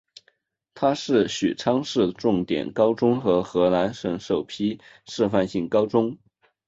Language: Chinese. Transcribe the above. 它是许昌市重点高中和河南省首批示范性高中。